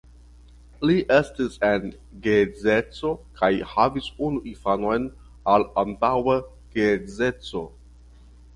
Li estis en geedzeco kaj havis unu infanon al antaŭa geedzeco.